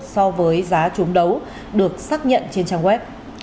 so với giá trúng đấu được xác nhận trên trang web